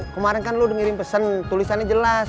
kemaren kan lo udah ngirim pesen tulisannya jelas